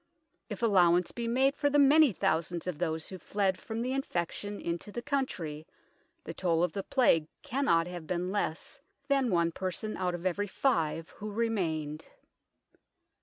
If allowance be made for the many thousands of those who fled from the infection into the country, the toll of the Plague cannot have been less than one person out of every five who remained.